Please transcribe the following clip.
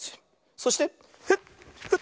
そしてフッフッ！